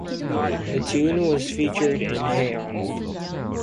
The tune was featured in Hey Arnold!